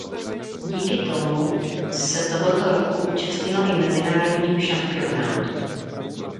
Díky tomu se toho roku účastnila i Mezinárodního šampionátu.